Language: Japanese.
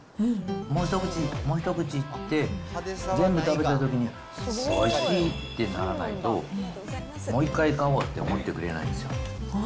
もう一口、もう一口って全部食べたときにおいしいってならないと、もう一回買おうって思ってくれないんですよ。